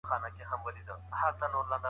ازموینه د وایرس اندازه ښيي.